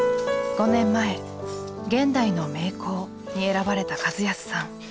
５年前「現代の名工」に選ばれた和康さん。